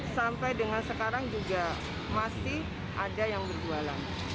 sampai dengan sekarang juga masih ada yang berjualan